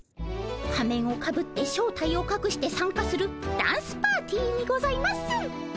仮面をかぶって正体をかくして参加するダンスパーティーにございます。